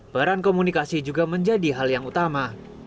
peran komunikasi juga menjadi hal yang utama